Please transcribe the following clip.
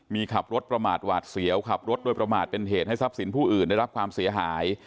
มีขับรถประมาทหวาดเสียวขับรถโดยประมาทเป็นเหตุให้ทรัพย์สินผู้อื่นได้รับความเสียหาย